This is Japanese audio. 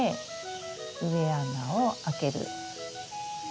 植え穴を開ける。